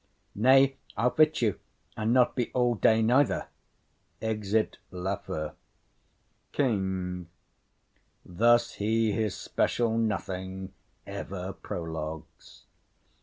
Nay, I'll fit you, And not be all day neither. [Exit Lafew.] KING. Thus he his special nothing ever prologues.